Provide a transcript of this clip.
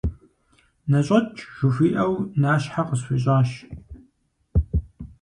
«Ныщӏэкӏ!» - жыхуиӏэу, нащхьэ къысхуищӏащ.